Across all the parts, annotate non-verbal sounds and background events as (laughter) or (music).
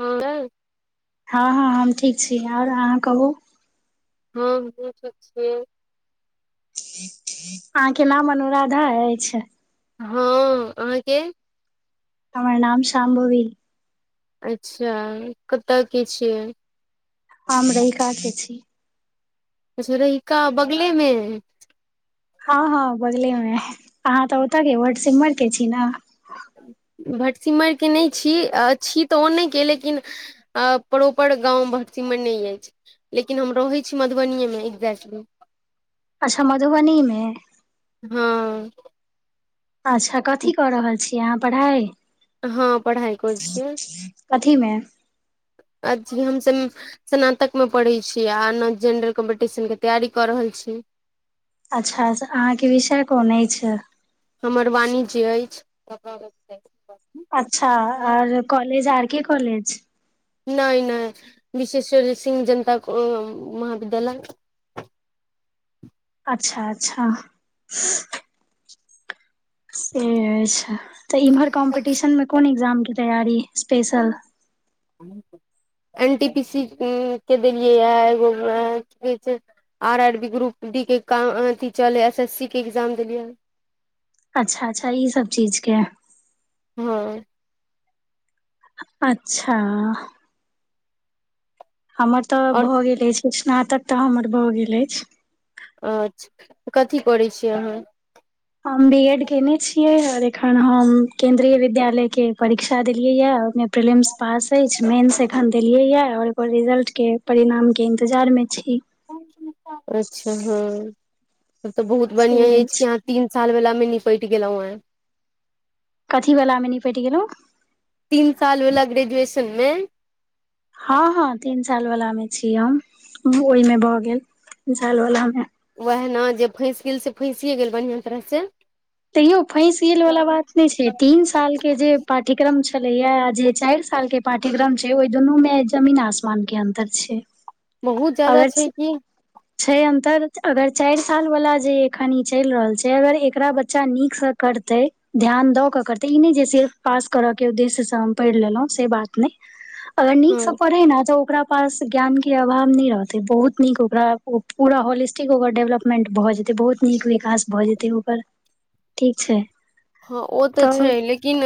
हँ हँ हँ हम ठीक छी आओर अहाँ कहू हं अहाँके नाम अनुराधा अछि हँ अहाँके तर नाम शाम्भबी अच्छा कतऽ के छियै हम रहिका के छी अच्छा रहिका बगलेमें हँ हँ बगले मे अहाँ तऽ ओतऽ के व्हाटसिमर के छी न भटसिमरके नहि छी छी तऽ ओने के लेकिन अ प्रोपर गाँव भटसिमर नहि अछि लेकिन हम रहैत छी मधुबनीेमे एक्जेक्टली अच्छा मधुबनी मे हँ अच्छा कथी कऽ रहल छिय अहाँ पढ़ाई हँ पढ़ाइ करै छियै कथीमे अ जी हमस स्नातक मे पढ़ैत छी आ न जेंडरल कॉम्पटिशन के तैयारी कऽ रहल छी अच्छा से अहाँके विषय कोन छै हमर वाणिज्य अछि अच्छा R college R K college नहि नहि विशेश्वर सिंह जनता महाविद्यालय अच्छा अच्छा से अछि तऽ इम्हर कॉम्पटिशन मे कोन एग्जाम के तैयारी special (inaudible) N T P C के देलियै य एगो R R B group D के काम अथथि चल है एस एस सी के एग्जाम देलियै अच्छा अच्छा ई सब चीज केँ हँ अच्छा हमर तऽ आओर भऽ गेल अछि स्नातक तऽ हमर भऽ गेल अछि अच्छा कथी करै छियै अहाँ हम बी एड केयने छियै आओर एखन हम केन्द्रीय विद्यालय के परीक्षा देलियै यहि प्रिलिम्स पास अछि मेन्स एखन देलियै यऽ आओर ओकर रिजल्टके परिणामके इन्तजारमे छी अच्छा हँ तऽ बहुत बढ़िआं अछि तीन साल वला में निपट गेलों हें कथीवलामे निपटि गेलौँ तीन साल वला ग्रेजुएशन मे हँ हँ तीन साल वला मे छी हम ओहिमे भऽ गेल तीन साल वला मे ओएहना जे फँसि गेल से फँसिए गेल बढ़िआँ तरहसँ तैयो फैसियल वालला बात नहि छै तीन साल के जे पाठ्यक्रम छले या आ जे चारि साल के पाठ्यक्रम छै ओहि दुनू में जमीन आसमानके अन्तर छै बहुत जायदा अगर छै की छै अन्तर अगर चारि साल वला जे एखन ई चलि रहल छै अगर एकरा बच्चा नीकसँ करतै ध्यान द के करते ई नहि जे से पास करऽ के उद्देश्य से हम पढ़ि लेलहुँ से बात नहि (inaudible) अगर नीक से पढ़े न तो ओकरा पास ज्ञान के अभाव न बहुत नीक ओकरा पूरा होलिस्टिक ओकर डेवलपमेंट भए जेतै बहुत नीक विकास भए जेतै ठीक छै हँ ओ तऽ छै लेकिन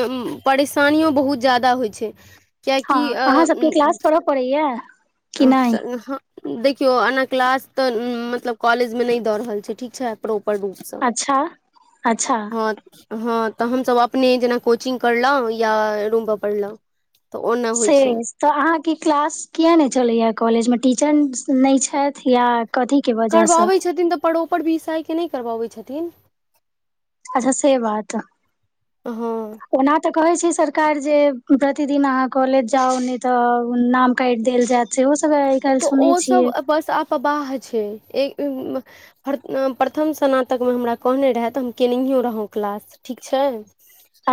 परेशानीयो बहुत जादा होइ छै कियै की अ पड़ैयए अचछ नहाँ देखियौ एना क्लास तऽ मतलब कॉलेज मे नहि दऽ रहल छै ठीक छै प्रोपर रूप सँ अच्छा अच्छा हँ हँ तऽ हमसभ अपने जेना कोचिंग करलहुँ या रूम पर पढ़लहुँ तऽ ओना होइ छै सेंगस (unintelligible) तऽ अहाँके क्लास किया नहि चलैए कॉलेजमे टीचर नहि छथि या कथीके वजहसँ करबाबै छथिन तऽ परोपर भीसयके नहि करबाबै छथिन अच्छा से बात हँ ओना तऽ कहै छै सरकार जे प्रतिदिन अहाँ कॉलेज जाउ नहि तऽ नाम कटि देल जाय छै ओहो सब आइ काल्हि सुनै छियै पबाह छै एक प्रथम स्नातकमे हमरा कहने रहै तऽ हम केनहियो रहौ क्लास ठीक छै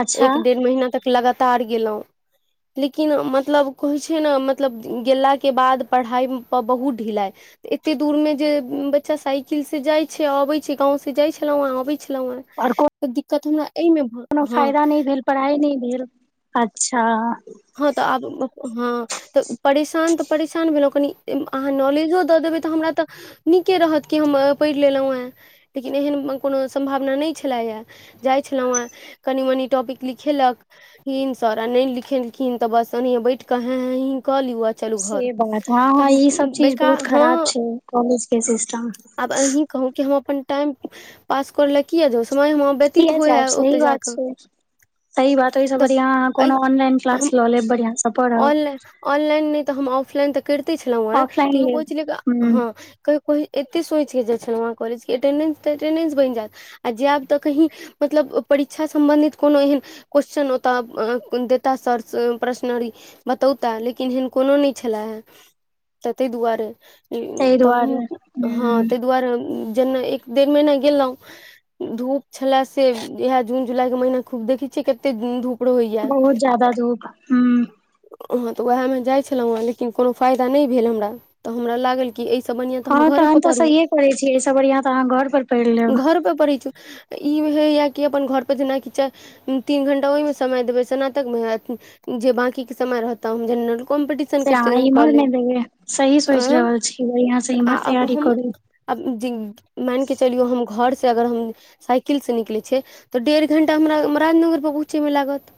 अच्छा एक डेढ़ महीना तक लगातार गेलहुँ लेकिन मतलब कहै छै ने मतलब गेलाके बाद पढ़ाइपर बहुत ढिलाइ एते दूर मे जे बच्चा साइकिल से जाइत छै अबैत छै गाँंव सँ जाइ छलौं हें अबैत छलहुँ हें आओर तऽ दिक्कत हमरा एहिमे कोनो हँ फायदा नहि भेल पढ़ाइ नहि भेल अच्छा हँ तऽ आब हँ तऽ परेशान तऽ परेशान भेलहुँ कनि अहाँ नॉलेजो दऽ देबै तऽ हमरा तऽ नीके रहत कि हम पढ़ि लेलहुँ हेँ लेकिन एहन कोनो सम्भावना नहि छलैए जाइ छलहुँ हेँ कनि मनी टॉपिक लिखेलक हिन सर आ नहि लिख खिन बस ओहने बैठ क हे हा ही ही क लियो से बात हँ हँ ई सब चीज बहुत बेकार खराब छै कॉलेज के सिस्टम अी कहू क हम अपन टाइम पास कर लक य जो समय हम कब सही बात छै सही बात ओहि सब तऽ बढ़िया एहि कोनो ऑनलाइन क्लास हम लऽ लेब बढ़ियां सँ पढ़ब ऑन ऑनलाइन त हम ऑनलाइन त करिते छलहु हे ऑफलाइन लेब तैयो (unintelligible) ह हँ कहियो एते सोच के जाय छ छल वहाँ कॉलज के अटेंडेस तऽ अटेंडेस बनि जायत आ जायब तऽ कही मतलब परीक्षा सम्बंधित कोनो एहन क्वेेश्चन ओतय दे ता सर प्रश्न बतौताह लेकिन एहन कोनो नहि छे हे तऽ ताहि दुआरे ताहि तऽ दुआरे हम हँ ह ताहि दुआरे जेना एक डेढ़ महिना गेलहुँ धूप छले से इहा जून जुलाई के महीना खूब देखै छियै कते धूप रहैया बहुत ज्यादा धूप ह हं तऽ उएहमे जाइत छलहुँ हेँ लेकिन कोनो फायदा नहि भेल हमरा तऽ हमरा लागल कि एहि सब बनिहा तऽ हम हँ घरे पर तहन तऽ पढ़ू सहिए करै छियै एहिसँ बढ़िआँ तऽ अहाँ घर पर पढ़ि लेब घर पर पढ़ छ ई होयया कि अपन घर पर जेनाकि तीन घंटा ओहिमे समय देबै स्नातक मे जे बकी के समय रहता जेनरल कमटपी से अहाँ इमहर मे देबै सही सोच आँय रहल छी बढ़ियाँ से इम्हर तैयारी करू अब मान कऽ चलियौ हम घरसँ अगर हम साइकिलसँ निकलै छै तऽ डेढ़ घण्टा हमरा राजनगरपर पहुँचैमे लागत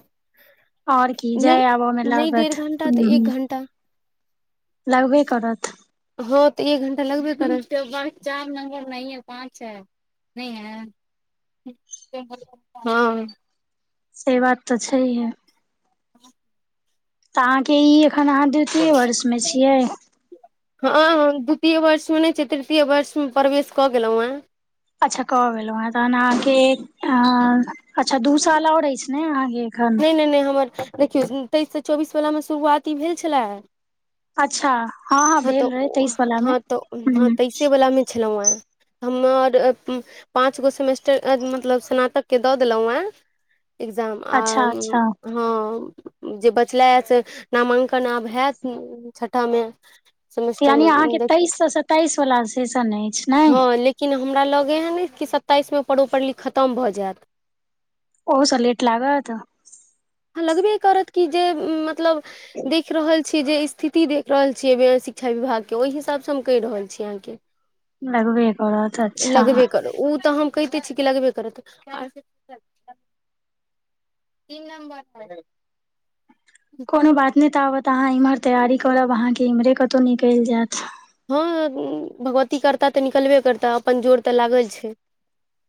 आओर की जाय नहि आबऽ मे नहि डेढ़ लागत घण्टा तऽ ह एक घण्टा लागबे करत ह तऽ एक घंटा लगबे करत ब चार नंबर ने पाँच है (unintelligible) नहि है हँ से बात त छैहे तऽ अहाँके ई एखन अहाँ दे कौन छै हँ हम द्वितीय वर्षमे नहि छै तृतीय वर्षमे प्रवेश कऽ गेलहुँ हेँ अच्छा कह गेलहु हें तहन अहाँके अच्छा दू साल और अछि ने अहाँकेँ नहि नहि नहि हमर देखियौ तेइससँ चौबीसवलामे शुरुआत ई भेल छलए अच्छा हँ तऽ भेल रहै तेइस वला मे हँ तऽ हँ ह तैसे वला मे छलहु य हम आर पाँच गो सेमेस्टर मतलब स्नातककेँ दऽ देलहुँ हेँ एग्जाम आ अच्छा अच्छा हँ जे बचला से नामांकन आब हैत छठामे यानि अहाँके तेइस से सताइस वाला सेशन अछि नै हँ लेकिन हमरा लग एहन कि सत्ताइसमे प्रॉपरली खत्म भऽ जायत ओहूँ से लेट लागत लगबैत करत कि जे मतलब दिख रहल छी जे स्थिति देख रहल छियै शिक्षा विभाग के ओहि हिसाब सँ हम कह रहल छी अहाँ केँ लगबै करतऽ अच्छा उ तऽ हम कहिते छी की लगबे करत तीन (unintelligible) नंबर हय कोनो बात नहि ताबत अहाँ एम्हर तैयारी करब अहाँके एम्हे कतहु निकलि जेत हँ भगवती करता त निकलबे करता अपन जोर तऽ लागल छै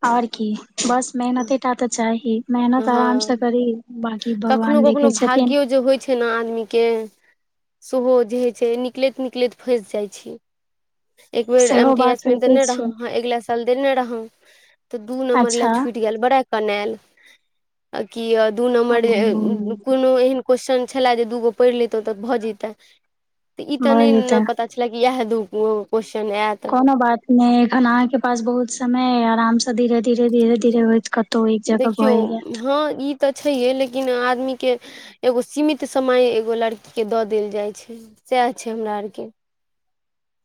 आओर की बस मेहनतेटा तऽ चाही मेहनत आराम सँ हँ करी बाँकी भगवान देखै छथिन फेना आदमी के सेहो जे होइ छै निकलैत निकलैत फँसि जाइ छै एक बेर एम सेहो टी एस बात मे होइते देने छै रहौं अगिला साल चल देेने रहौं तऽ दू नम्बर ले अच्छा छुटि गेल बड़ा कनेल आ कि दू नम्बर जे कोनो एहन क्वेश्चन छले जे दूगो पढ़ि लितौं तऽ भऽ जैतौं तऽ ई तऽ भऽ नहि ने जेतै पता छले कि इएह दू गो क्वेश्चन आएत कोनो बात नहि एखन अहाँ के पास बहुत समय अय आराम से धीरे धीरे धीरे धीरे होयत कत तऽ एक जगह देखियौ भए जेत हँ ई तऽ छैहे लेकिन आदमीके एगो सीमित समय एगो लड़कीके दऽ देल जाइ छै सैह छै हमरा आर के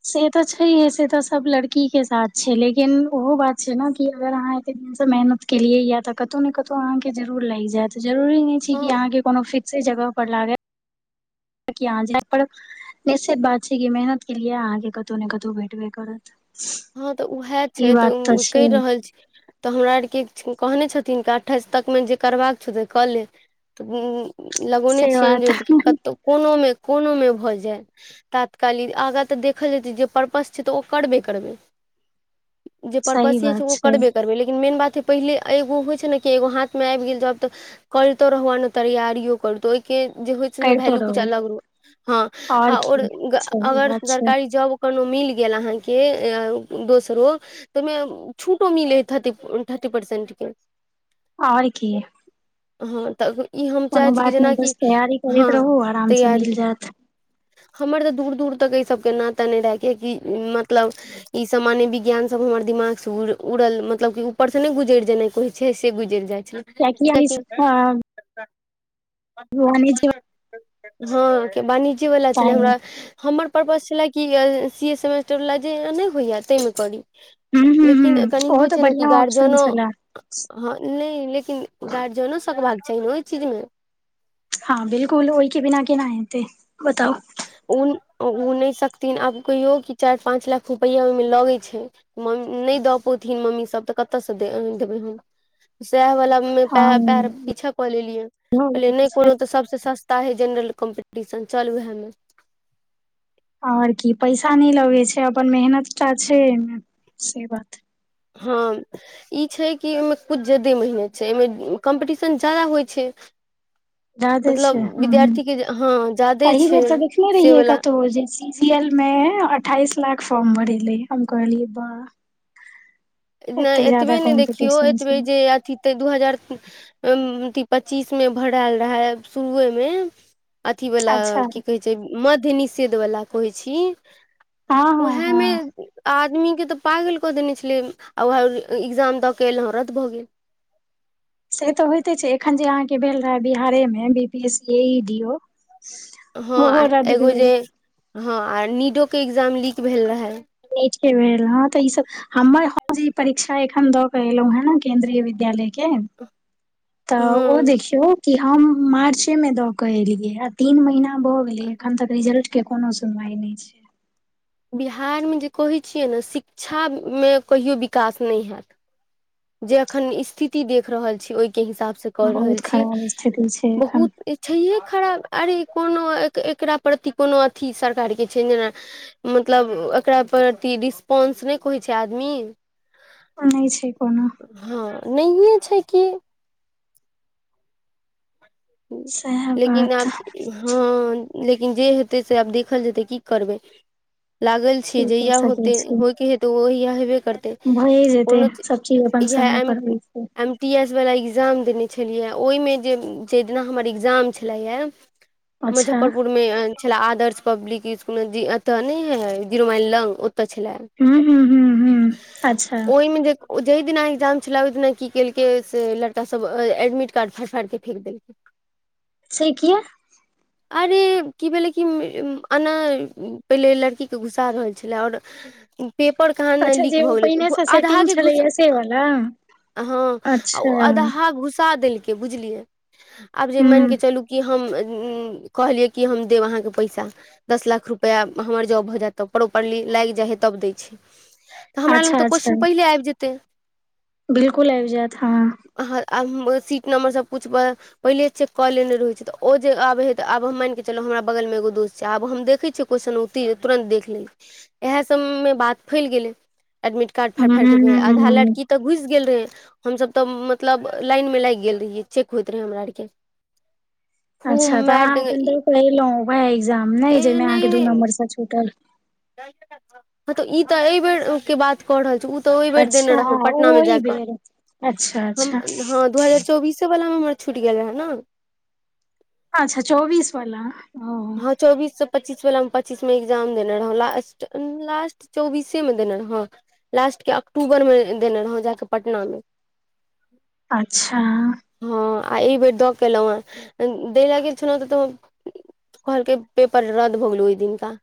से तऽ छैहे से तऽ सब लड़की के साथ छै लेकिन ओहो बात छै ने कि अगर अहाँके मेहनत केलियै ये तऽ कतहु ने कतहु अहाँ के जरुर लागि जाएत से जरुरी नहि छै की हँ आहाँ के कोनो फिक्से जगह पर लागे की अहाँ जै पड़त निश्चित बात छै कि मेहनत केलिए अहाँके कतौ ने कतौ भेटबे करत हँ तऽ उएह छै ई तऽ बात उ छै कहि रहल छै तऽ हमरा आरके कहने छथिन की अट्ठाइस तकमे जे करबाक छौ सेऽ कऽ ले त उम्म लगौने से छियनि बात जे कतहु कोनोमे कोनोमे भऽ जाय तात्काली आगाँ तऽ देखल जेतै जे पर्पस छै तऽ ओ करबे करबै जे पर्पस सही से छै बात ओ करबे करबै लेकिन मेन बात हय पहिले एगो होइ छै ने कि एगो हाथमे आब गेल जाॅब तऽ करितो रहु आ एने तैयारियो करु तो ओहिके जे होय (unintelligible) करितो भैल्यू कुछ रहू अलग रहै आओर की हँ सही अगर बात छै सरकारी जॉब कोनो मिल गेल अहाँके दोसरो तऽ ओहिमे छूटो मिलै हय थर्टी थर्टी परसेंट के ओर की हँ तऽ ई हम कोनो चाहै छी कि बात नहि जेना बस कि तैयारी हँ करैत रहू आराम से तैयारी मिल जायत हमर तऽ दूर दूर तक एहि सबके नाता नहि रहै कियेकि मतलब ई सामान्य विज्ञान सब हमर दिमाग से उड़ उड़ल मतलब की ऊपर से नै गुजरि जेनाइ कहय छै से गुजरि जाय छेलै कियेकी (unintelligible) हँ के वाणिज्य वाला छेलै हमरा हमर पर्पस छलए कि सी ए सेमेस्टरवला जे नहि होएय तै मे करी हूं हूं हूं लेकिन कनी ओहो होइ तऽ छै ने कि बढ़ियां ऑप्शन गार्जियनो छले हँ नहि लेकिन गार्जियनो सकबाक चाही ने ओहि चीज मे हँ बिल्कुल ओहि के बिना केना हेतै बताउ उ उ नहि सकथिन आब कहियौ कि चारि पाँच लाख रुपैया ओहिमे लगै छै नहि दऽ पौथिन मम्मी सब तऽ कतऽ से दे देबै हम सएह वला हँ पैर पीछा कऽ लेलियै इहो कहलियै बात नहि छै कोनो तऽ सबसे सस्ता ता हय जेनरल कम्पीटीशन चल वएह मे आओर की पैसा नहि लगै छै अपन मेहनत टा छै एहिमे से बात हँ (unintelligible) ई छै कि एहिमे कुछ ज्यादे मेहनत छै एहिमे कम्पीटिशन जादा होइ छै जादे छै मतलब विद्यार्थी के हँ हूंम्म ज्यादे एही छै बेर तऽ देखनेे से रहियै वला कतहुँ जे सी जी एल मे अठाईस लाख फॉर्म भरेलै हम कहलियै बा नहि एतबे नहि देखियौ कॉम्पिटिशन एतबे छै जे अथी त दू हजार अ पच्चीस मे भराल रहे शुरुए मे अथी वला अच्छा की कहै छै मध्य निषेध वला कहै छी हँ हँ हँ उएहेमे आदमी के तऽ पल कऽ देने छलै ओर वहे एग्जाम द के एलहुँ रात भ गेल से त होइते छै एखन जे अहाँके भेल रहय बिहारे मे B P S C A E D ओ हँ ओहो रद्द एगो भेल जे हँ आ नीडो के एग्जाम लीक भेल रहे नीट केँ भेल ह त ई सब हमर ह जी परीक्षा एखन द एलहु हे ने केन्द्रीय विद्यालय के त ओ हँ देखियौ की हम मार्चे में द के एलियै ह आ तीन महीना भए गेले अखन तक रिजल्ट के कोनो सुनवाई ने छै बिहार मे जे कहै छियै ने शिक्षा मे कहियो विकास न हैत जे एखन स्थिति देख रहल छी ओहिके हिसाब से कऽ रहल बहुत छी खराब स्थिति छै एखन बहुत छैहे खराब अरे कोनो एकरा प्रति कोनो अथी सरकारके छै जेना मतलब एकरा परति रिस्पोंस नहि कोय छै आदमी ओने छै कोनो हँ नहिए छै कि सएह लेकिन बात आब हँ लेकिन जे हेतै से आब देखल जेतै की करबै लागल छी की क जहिया सकै होे छी होयके हे तऽ ओ ओहिया हेबे करतै भए जेतै कोनो ची सब चीज अपन इहे समय एम पर होइ छै एम टी एस वला एग्जाम देने छलियै ओहिमे जे जे दिना हमर एग्जाम छलैए अच्छा मुजफ्फरपुर मे छले आदर्श पब्लिक स्कुल जे एत नेे हे जीरो माइल लग ओते छले हू हू हू हू अच्छा ओ जेई दिना एग्जाम छले ओहि दिना की केलके से लड़का सब एडमिट कार्ड फाड़ फाड़ के फेक देलक से किया ह (inaudible) अरे की भेलै कि एना पहिले लड़कीकेँ घुसा रहल छलै आओर पेपर कहाँ न अच्छा लीक जे भ ओ गेलै पहिने से आधा सेटिंग के घुसा छलैया से वाला हँ आ अच्छा अधहा घुसा देलखिन आ बुझलियौ आ जे हूं मानि के चलू की हम कहलियै कि हम देब अहाँके पैसा दस लाख रुपैआ हमर जॉब भ जायत त प्रॉपरली लाग जाइ हइ तब दै छै तऽ हमरा लग अच्छा तऽ क्वेश्चन पहिले आबि जेतै बिलकुल आबि जायत हँ सीट नम्बर सब कुछ पहिले चेक क लेने रहे छै त ओ जे आबे हे ते आब हम मानिके चलो हमरा बगल मे एगो दोस छै आब हम देखे छिय क्वेश्चन ओतेक तुरन्त देख लेबे यहाँ सभ मे बात फेर गेले एड कार्ड फाड़ि फाड़ि के आधा हूँ लडकी तऽ घुस गेल रहे हम सब तऽ मतलब लाइन मे लाग गेल रहियै चेक हो हमरा आरके फू अच्छा तऽ मैड अहाँ अपन तऽ ए कहलहुँ उएह एग्जाम नहि जाहिमे अहाँके दू नहि नम्बरसँ छुटल हँ तऽ ई तऽ एहि बेरके बात रहल छी तऽ ओहि बेर अच्छा देने रह पटना मे ओहि जााक बेर अच्छा हँ अच्छा दू हजार चौबीस वलामे हमर छुटि गेलै है ने अच्छा चौबीस वाला ओ हँ चौबिस पच्चीस वला मे पच्चीस में एग्जाम देने रहौ लास्ट लास्ट चौबीसे मे देने रहौ लास्ट के अक्टूबरमे देने रहौ जााकऽ पटनामे अच्छा हँ आ ई बेेर दऽ केलहुँ हँ द लाग छल तऽ त कहलकै पेपर रद्द भओ गेलौ ओहि दिनका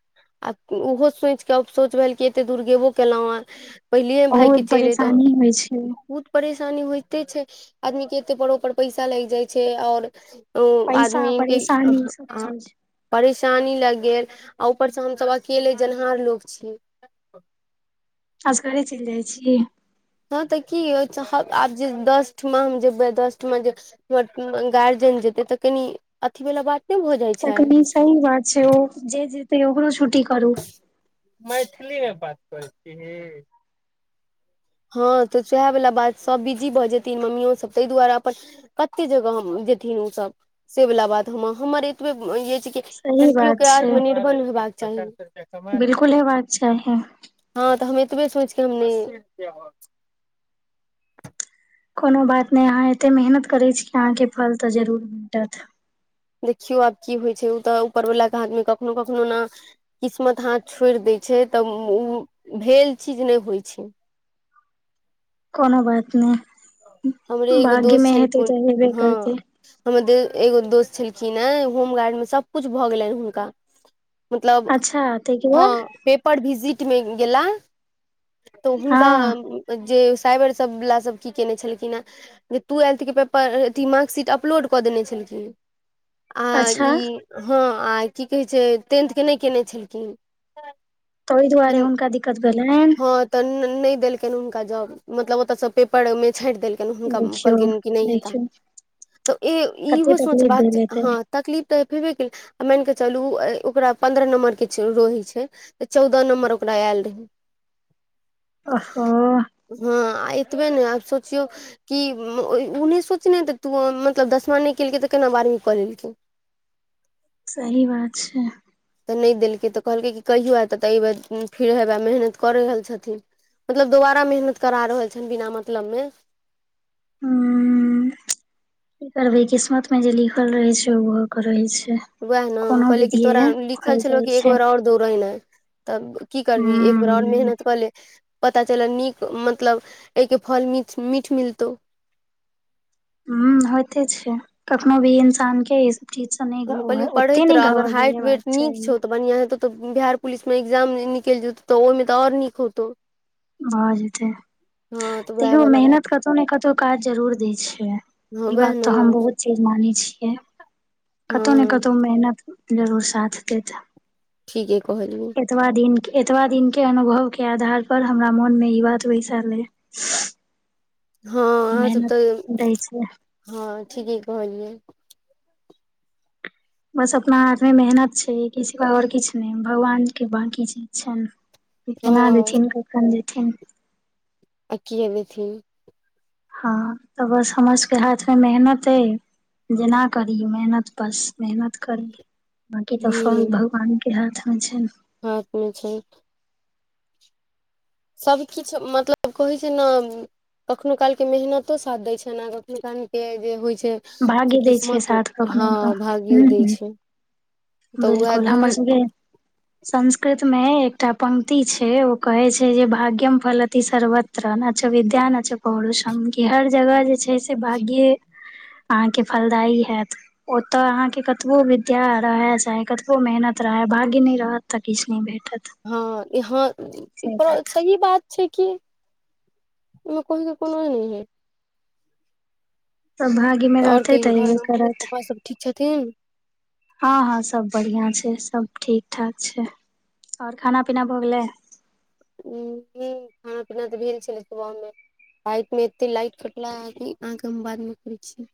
आ ओहो सोचि कऽ अ सोच भेल कि एतेक दूर गेबो केलहुँ हे पहिले भायके बहुत चलि एतह परेशानी होइ छै बहुत परेशानी होइते छै आदमी के एते परोपर पैसा लागि जाइ छै और ओ पैसा आदमीे के परेशानी सब चीज परेशानी लग गेल आ ऊपर से हमस अकेले जन्हार लोको छीय असगरे चलि जाइ छी हँ तऽ की हो आब जे दसठमा हम जेबै दसठमां जे हमर गार्जियन जेतैऽ कनि अथी वला बात नहि भ तखनी सही बात छै ओ जे जेतै ओकरो छुट्टी करू मैथिलीमें बात करै छी हँ तऽ सएह वला बात सब बिजी भऽ जेथिन मम्मियोसभ तहि दुआरे अपन कते जगह हम जेथिन ओसब से वला बात हम हमर एतबे सही लड़कियो बात के आत्मनिर्भर होेबाक चाही बिलकुल ह बाक चाही हँ तऽ हम एतबे सोचके हम न कोनो बात नहि अहाँ एते मेहनत करैत छी अहाँकेँ फल तऽ जरूर भेट देखियौ आब की होइ छै ओ तऽ ऊपरवला के आदमी कखनो कखनो न किस्मत हाथ छोड़ि देै छै तऽ भेल चीज नहि होइ छै कोनो बात नह हमरे एगो दोस्त छय क हेबे हँ करतै हमर ए एगो दोस्त छलखिन ह होमगार्ड मे सबकुछु भऽ गेलनि हुनका मतलब अच्छा ताहिके बाद हँ पेपर भिजिट मे गेला तऽ हुनका हँ जे साइबर सब बला सब की केने छल जे टूएयल्थ पेपरथी मार्कशीट अपलोड कऽ देने छलखिन आ अच्छा ई हँ आ की कहै छै टेंथके नहि कयने छलखिन तऽ ओइ दुआरे हुनका दिक्कत भेलनि त नइ देलकनि हुनका जॉब मतलब ओतता सब पेपर में छाट देल नहि हुनका देखियौ कदलकैन देखियौ तऽ कते इहो सोच तकलीफ भेल हेतै तकलीफ तऽ भेबे केलै आ मानिकऽ चलू ओकरा पन्द्रह नम्बरके रहोै छै तऽ चौदह नम्बर ओकरा एल रहय ओहो हँ आ एतबे नै आब सोचियौ कि उ नहि सोचने तऽ तू ओ मतलब दसमा नहि केलकै तऽ केना बारहवीं कऽ लेलकिन सही बात छैय तऽ नै देलकै तऽ कहलकै कि कहियौ तऽ तऽ अये फेर हेबए मेहनत करै रहल छथिन मतलब दोबारा मेहनत करा रहल छनि बिना मतलब में हं की करबै किस्मत में जे लिखल रहे छै ओ भऽ के रहे छै वैह नाम कोनो कहलियै कि तोरा विधिये लिखल फल दै छलौ कि एक छै बेर आओर दौड़ेनाइ तब की करबिही एकबर आओर हूँ मेहनत कऽ ले पता चलल नीक मतलब एइके फल मीठ मीठ मिलतहु हम्म होइते छै कखनो भी इंसान के चीज से नहि हम ग कहलियै ओते पढ़ैत नहि रह अगर हाइट घबरेबाक वेट नीक चाही छौ तऽ बढ़िया हेतौ त बिहार पुलिस में एकग्जाम निकलि जेतौ तऽ ओहिमे तऽ आओर नीक होेतौ भऽ जेतै तऽ वएह तैयो वाला बात मेहनत कतहु ने कतहु काज जरूर दै छै हँ ई वएह बात ने तऽ हम बहुत चीज मानइ छियै कतहु ने हँ कतहु मेहनत जरूर साथ देत ठीके कहलियै एतबा दिन के एतबा दिन के अनुभव के आधार पर हमरा मोन में ई बात बैसल अय हँ आहाँ सब मेहनत तऽ दै छै हँ ठीके कहलियै बस अपना हाथ मे मेहनत छै किसी ब आओर किछु नहि भगवान के बकी चीज छ ने हँ केना देखिन कखन देथिन अकीयबेथिन हँ तऽ बस हमर सबके हाथ में मेहनत अय जेना करी मेहनत बस मेहनत करी बाकी तऽ फल हूँ भगवान के हाथ में छै हाथ में छै सभकिछ मतलब कहै छै ने कखनो काल के मेहनतो साथ देय छै ने आ कखनो काल के जे होइ छै भाग्य से दै छै किस्मतो साथ कखनो हँ भाग्यो दै छै तऽ उएह बिल्कूल दू हमर जगह संस्कृत में एकटा पंक्ति छै ओ कहै छै जे भाग्यम फलती सर्वत यत्र छौ विद्या न छौ पौरुषम कि हर जगह जे छै से भाग्य अहाँ के फलदायी हैत ओतऽ अहाँके कतबो विद्या रहत चाहे कतबो मेहनत रहै भाग्य नै रहत तऽ किछ नहि भेटत हँ हँ ई से त बात सही बात छै कि ओ कहइकै कोनो नहि है सब भागे में आओर रहतै कहियौ तऽ हयबे घरमे मम्मी करत पापा सब ठीक छथिन हँ हँ सब बढ़िआँ छै सब ठीक ठाक छै ओर खाना पीना भऽ गेलै हं हं खाना पीना तऽ भेल छलै सुबहमे लाइट में एते लाइट कटला ह अहके हम बाद में करै छी